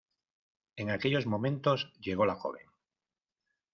En aquellos momentos llegó la joven.